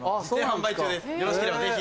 よろしければぜひ。